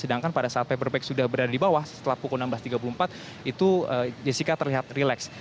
sedangkan pada saat paper bag sudah berada di bawah setelah pukul enam belas tiga puluh empat itu jessica terlihat relax